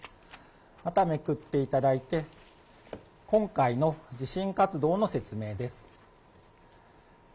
また、めくっていただいて、今回の地震活動の説明です。